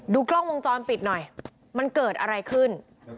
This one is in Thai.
กล้องวงจรปิดหน่อยมันเกิดอะไรขึ้น